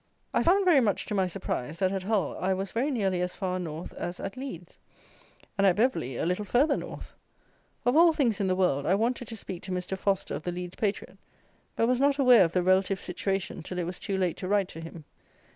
I found, very much to my surprise, that at Hull I was very nearly as far north as at Leeds, and, at Beverley, a little farther north. Of all things in the world, I wanted to speak to Mr. Foster of the Leeds Patriot; but was not aware of the relative situation till it was too late to write to him.